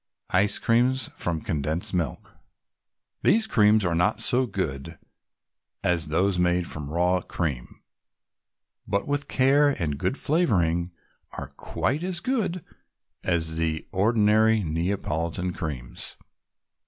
ICE CREAMS FROM CONDENSED MILK These creams are not so good as those made from raw cream, but with care and good flavoring are quite as good as the ordinary Neapolitan Creams.